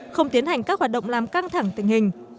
không tiến hành các hoạt động làm căng thẳng tình hình